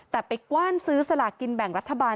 แต่ไปกว้านซื้อสลากินแบ่งรัฐบาล